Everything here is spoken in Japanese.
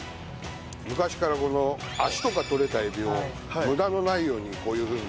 昔からこの脚とか取れたエビを無駄のないようにこういうふうに。